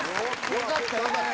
よかったよかった。